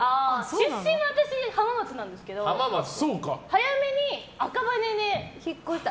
出身は私、浜松なんですけど早めに赤羽に引っ越した。